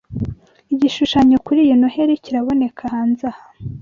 Igishushanyo kuri iyi Noheri kiraboneka hanze aha